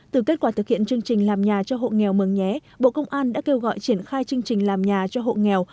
từ kết quả thực hiện chương trình làm nhà cho hộ nghèo mường nhé bộ công an đã kêu gọi triển khai chương trình làm nhà cho hộ nghèo